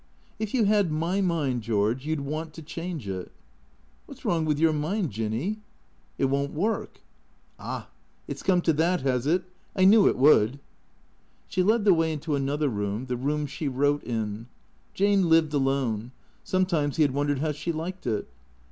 " If you had my mind, George, you M want to change it." " What 's wrong with your mind, Jinny ?"" It won't work." "Ah, it's come to that, has it? I knew it would." She led the way into another room, the room she wrote in. Jane lived alone. Sometimes he had wondered how she liked it.